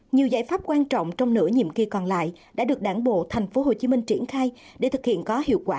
nhiều giải pháp quan trọng trong nửa nhiệm kỳ còn lại đã được đảng bộ tp hcm triển khai để thực hiện có hiệu quả